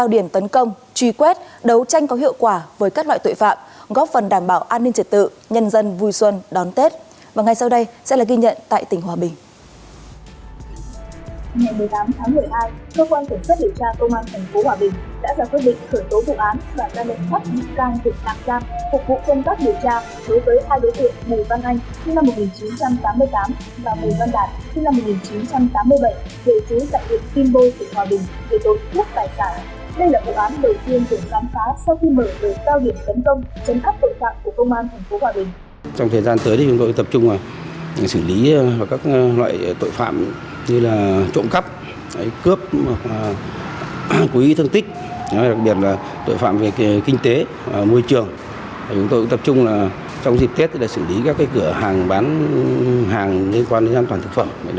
điển hình vào tháng một mươi hai năm hai nghìn hai mươi một phòng an ninh điều tra công an tỉnh hà giang đã tổ chức sáu trăm bốn mươi bốn buổi tuyên truyền với ba mươi bốn năm trăm tám mươi người tham gia trong công tác